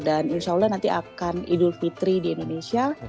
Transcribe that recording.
dan insya allah nanti akan idul fitri di indonesia